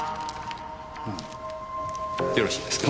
よろしいですか？